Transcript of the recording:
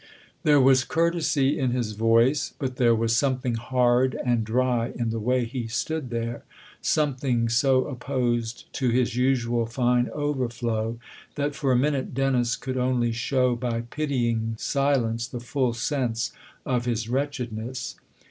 There was courtesy in his voice ; but there was something hard and dry in the way he stood there, something so opposed to his usual fine overflow that for a minute Dennis could only show by pitying silence the full sense of his wretchedness.